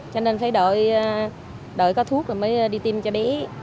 cho nên phải đợi có thuốc rồi mới đi tiêm cho bé